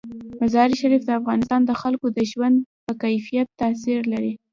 مزارشریف د افغانستان د خلکو د ژوند په کیفیت تاثیر لري.